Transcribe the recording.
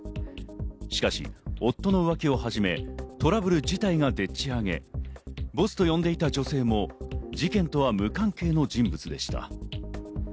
しかし夫の浮気をはじめ、トラブル自体がでっち上げ、ボスと呼んでいた女性も事件とは無関係の人物でした。